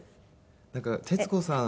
なんか徹子さん